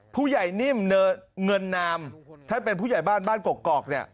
ผู้ใหญ่นิ่มเงินนามท่านเป็นผู้ใหญ่บ้านบ้านกกอกเนี่ย